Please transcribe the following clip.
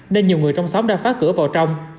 nên nhiều người trong xóm đã phá cửa vào trong